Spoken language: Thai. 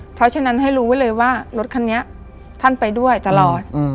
เพราะฉะนั้นให้รู้ไว้เลยว่ารถคันนี้ท่านไปด้วยตลอด